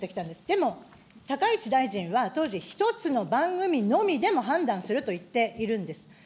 でも、高市大臣は当時１つの番組のみでも判断すると言っているんです。